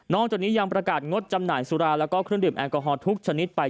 จากนี้ยังประกาศงดจำหน่ายสุราแล้วก็เครื่องดื่มแอลกอฮอล์ทุกชนิดไป